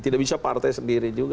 tidak bisa partai sendiri juga